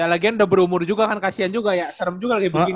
ya lagian udah berumur juga kan kasian juga ya serem juga lagi begini